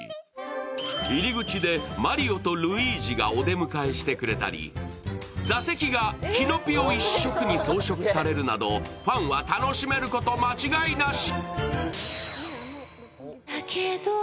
入り口でマリオとルイージがお出迎えしてくれたり、座席がキノピオ一色に装飾されるなどファンは楽しめること間違いなし。